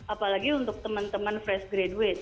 apalagi untuk teman teman fresh graduate